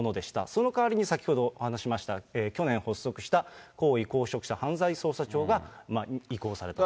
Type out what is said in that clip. そのかわりに先ほどお話ししました、去年発足した高位公職者犯罪捜査庁が移行されたと。